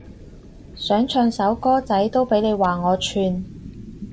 想唱首歌仔都俾你話我串